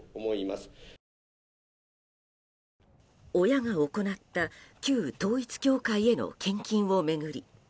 親が行った旧統一教会への献金を巡り